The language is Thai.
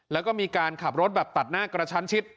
แล้วก็มีการขับรถแบบตัดหน้ากระชั้นชิด